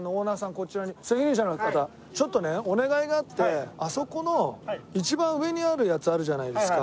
こちらに責任者の方ちょっとねお願いがあってあそこの一番上にあるやつあるじゃないですか。